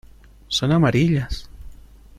son amarillas.